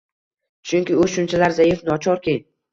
Chunki u shunchalar zaif, nochorki!